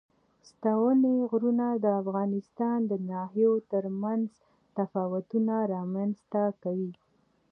ستوني غرونه د افغانستان د ناحیو ترمنځ تفاوتونه رامنځ ته کوي.